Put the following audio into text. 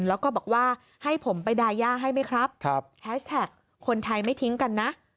แล้วก็บอกว่าให้ผมไปดาย่าให้ไหมครับแฮชแท็กคนไทยไม่ทิ้งกันนะ